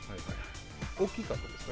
大きかったですか？